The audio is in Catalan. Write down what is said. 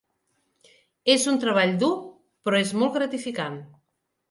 És un treball dur, però és molt gratificant.